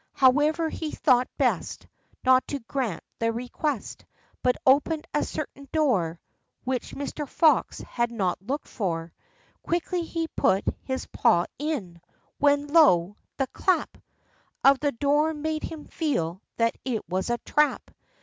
However, he thought best Not to grant the request; But opened a certain door Which Mr. Fox had not looked for. Quickly he put his paw in, when, lo! the clap Of the door made him feel that it was a trap.